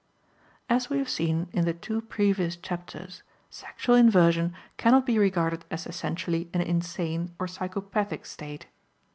As we have seen in the two previous chapters, sexual inversion cannot be regarded as essentially an insane or psychopathic state.